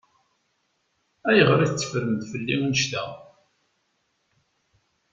Ayɣer i teffremt fell-i annect-a?